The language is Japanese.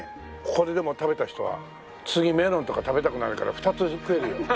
これでもう食べた人は次メロンとか食べたくなるから２つ食えるよ。